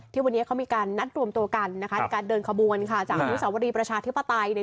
ที่วันนี้มีการนัดรวมตัวกันการเดินขบวนจากมุมศาวรีประชาธิปไตยเนี้ย